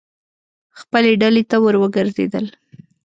خپلې ډلې ته ور وګرځېدل.